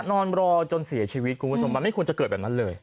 นอนรอจนเสียชีวิตคุณผู้ชมมันไม่ควรจะเกิดแบบนั้นเลย